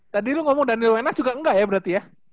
tadi lu ngomong daniel wenas juga enggak ya berarti ya